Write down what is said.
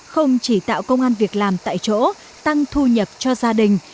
không chỉ tạo công an việc làm tại chỗ tăng thu nhập cho gia đình